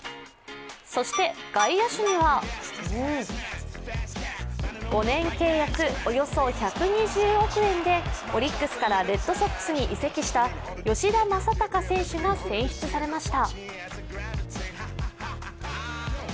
そして外野手には５年契約およそ１２０億円でオリックスからレッドソックスに移籍した吉田正尚選手が選出されました。